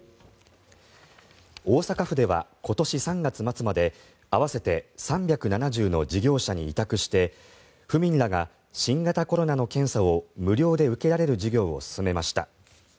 大阪府では今年３月末まで合わせて３７０の事業者に委託して府民らが新型コロナの検査を無料で受けられる事業を進めました。